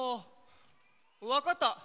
わかった！